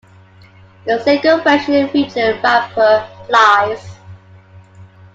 The single version featured rapper Plies.